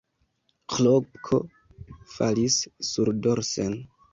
Ĥlopko falis surdorsen.